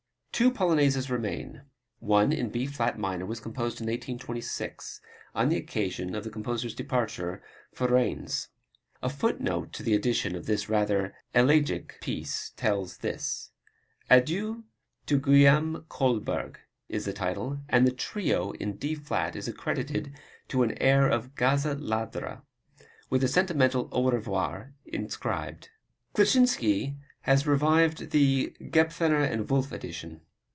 Two Polonaises remain. One, in B flat minor, was composed in 1826, on the occasion of the composer's departure for Reinerz. A footnote to the edition of this rather elegiac piece tells this. Adieu to Guillaume Kolberg, is the title, and the Trio in D flat is accredited to an air of "Gazza Ladra," with a sentimental Au Revoir inscribed. Kleczynski has revised the Gebethner & Wolff edition.